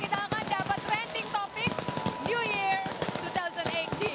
kita akan dapat trending topic new year dua ribu delapan belas